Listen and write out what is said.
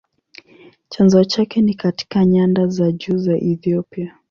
Chanzo chake ni katika nyanda za juu za Ethiopia.